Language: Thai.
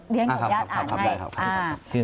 เรียนขออนุญาตอ่านให้